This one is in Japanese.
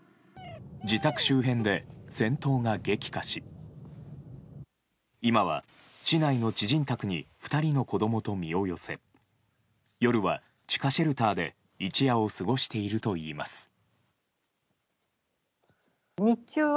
自宅周辺で戦闘が激化し今は、市内の知人宅に２人の子供と身を寄せ夜は地下シェルターで一夜を過ごしているといいます。